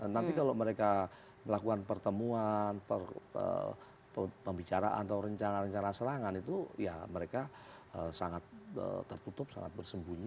nanti kalau mereka melakukan pertemuan pembicaraan atau rencana rencana serangan itu ya mereka sangat tertutup sangat bersembunyi